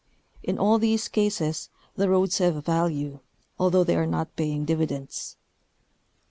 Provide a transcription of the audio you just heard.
In all these cases the roads have value, although they are not paying dividends.